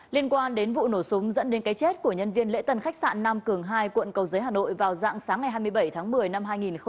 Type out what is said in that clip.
liên quan đến vụ nổ súng dẫn đến cái chết của nhân viên lễ tân khách sạn nam cường hai quận cầu giấy hà nội vào dạng sáng ngày hai mươi bảy tháng một mươi năm hai nghìn một mươi chín